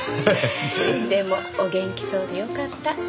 でもお元気そうでよかった。